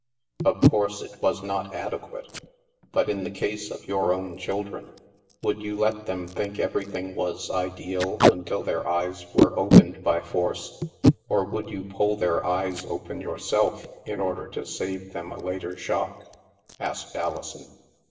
Of course, it was not adequate. But, in the case of your own children, would you let them think everything was ideal until their eyes were opened by force ; or would you pull their eyes open yourself, in order to save them a later shock? " asked Alison.